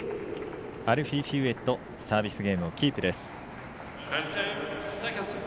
アルフィー・ヒューウェットサービスゲームをキープ。